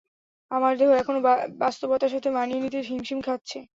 তোমার দেহ এখনও বাস্তবতার সাথে মানিয়ে নিতে হিমশিম খাচ্ছে।